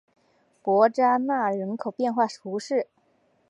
伯扎讷人口变化图示